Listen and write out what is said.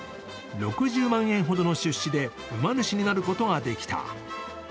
６０万円ほどの出資で馬主になることができた。